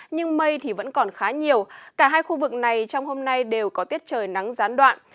nhưng mây thì vẫn còn khá nhiều cả hai khu vực này trong hôm nay đều có tiết trời nắng gián đoạn